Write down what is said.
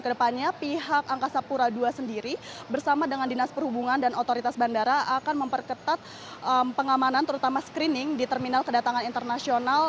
kedepannya pihak angkasa pura ii sendiri bersama dengan dinas perhubungan dan otoritas bandara akan memperketat pengamanan terutama screening di terminal kedatangan internasional